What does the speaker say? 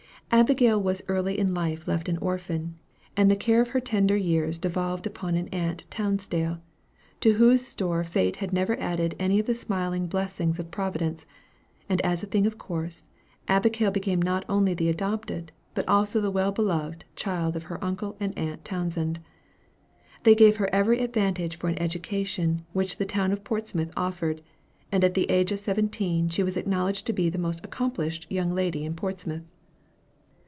Abigail was early in life left an orphan, and the care of her tender years devolved upon her aunt Townsend, to whose store fate had never added any of the smiling blessings of Providence; and as a thing in course, Abigail became not only the adopted, but also the well beloved, child of her uncle and aunt Townsend. They gave her every advantage for an education which the town of Portsmouth afforded; and at the age of seventeen she was acknowledged to be the most accomplished young lady in Portsmouth.